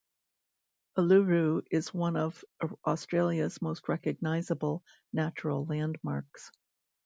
Uluru is one of Australia's most recognisable natural landmarks.